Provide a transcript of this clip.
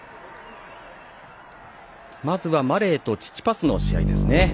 まずは、マレーとチチパスの試合ですね。